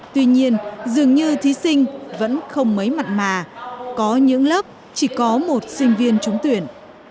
tuy nhiên dường như thí sinh vẫn không mấy mặt mà có những lớp chỉ có một sinh viên trúng tuyển